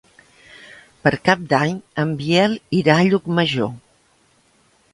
Per Cap d'Any en Biel irà a Llucmajor.